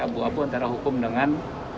abu abu antara hukum dengan